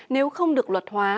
nếu không được luật hóa